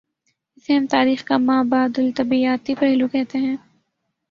اسے ہم تاریخ کا ما بعد الطبیعیاتی پہلو کہتے ہیں۔